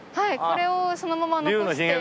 それをそのまま残して。